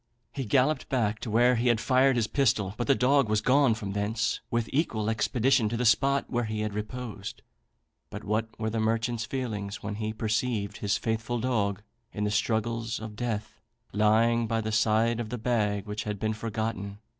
He galloped back to where he had fired his pistol; but the dog was gone from thence with equal expedition to the spot where he had reposed. But what were the merchant's feelings when he perceived his faithful dog, in the struggles of death, lying by the side of the bag which had been forgotten!